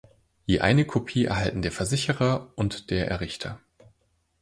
Je eine Kopie erhalten der Versicherer und der Errichter.